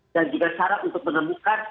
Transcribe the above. dan juga cara untuk menemukan